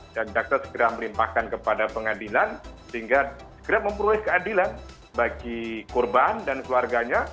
jaksa segera melimpahkan kepada pengadilan sehingga segera memperoleh keadilan bagi korban dan keluarganya